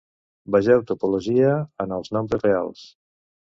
Vegeu Topologia en els nombres reals.